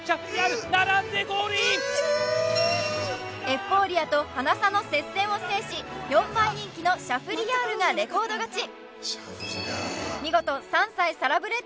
エフフォーリアとハナ差の接戦を制し４番人気のシャフリヤールがレコード勝ち